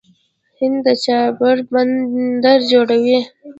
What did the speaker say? هند د چابهار بندر جوړوي.